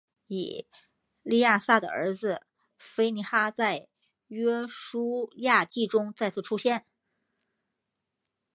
以利亚撒的儿子非尼哈在约书亚记中再次出现。